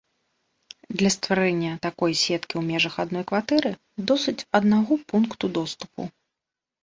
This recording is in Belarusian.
Для стварэння такой сеткі ў межах адной кватэры досыць аднаго пункту доступу.